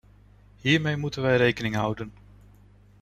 Hiermee moeten wij rekening houden.